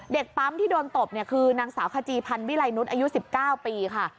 เด็กปั๊มที่โดนตบเนี่ยคือนางสาวขจีภัณฑ์วิลัยนุศอายุ๑๙ปีค่ะ